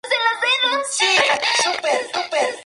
Ahí dormía los días de guardia.